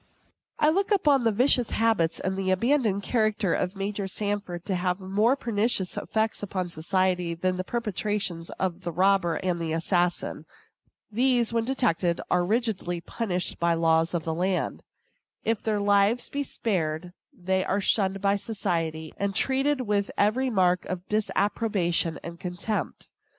I look upon the vicious habits and abandoned character of Major Sanford to have more pernicious effects on society than the perpetrations of the robber and the assassin. These, when detected, are rigidly punished by the laws of the land. If their lives be spared, they are shunned by society, and treated with every mark of disapprobation and contempt.